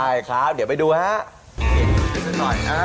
ได้ครับเดี๋ยวไปดูครับ